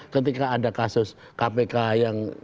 ketika ada kasus kpk yang